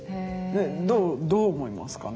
どう思いますかね？